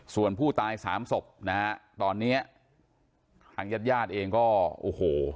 ส่วนผู้ตายสามศพนะฮะตอนเนี้ยทางญาติญาติเองก็โอ้โห